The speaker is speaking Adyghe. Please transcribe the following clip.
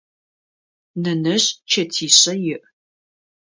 Нэнэжъ чэтишъэ иӏ.